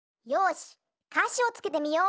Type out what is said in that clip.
しかしをつけてみよう！